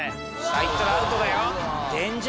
下行ったらアウトだよ。